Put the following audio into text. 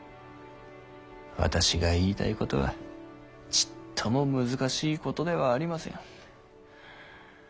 私が言いたいことはちっとも難しいことではありません。